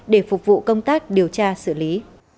để phục vụ công tác điều tra xử lý